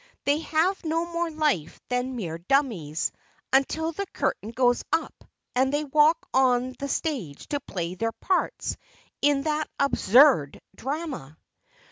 They have no more life than mere dummies, until the curtain goes up and they walk on the stage to play their parts in that absurd drama."